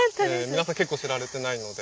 皆さん結構知られてないので。